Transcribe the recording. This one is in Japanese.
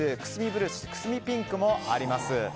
ブルーくすみピンクもあります。